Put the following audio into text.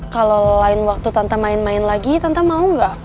kalau lain waktu tanta main main lagi tanta mau gak